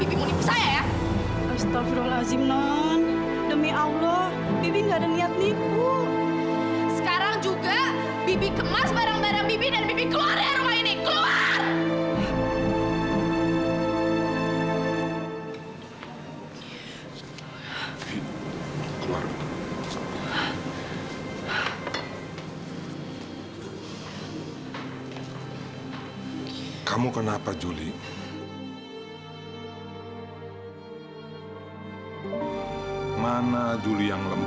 ini uang muka untuk kerjaan lo ya